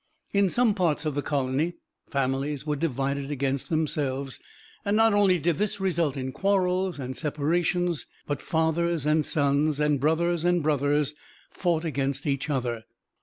In some parts of the Colony, families were divided against themselves; and not only did this result in quarrels and separations, but fathers and sons, and brothers and brothers, fought against each other.